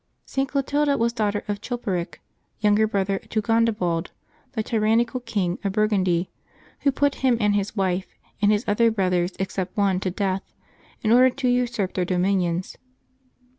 @T. Clotilda was daughter of Chilperic, younger brother to Gondebald, the tyrannical King of Bur gundy, who put him and his wife, and his other brothers, except one, to death, in order to usurp their dominions.